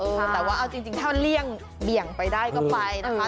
แต่ว่าเอาจริงถ้าเลี่ยงเบี่ยงไปได้ก็ไปนะคะ